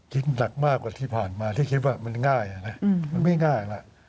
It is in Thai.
หนักมากกว่าที่ผ่านมาที่คิดว่ามันง่ายนะมันไม่ง่ายล่ะ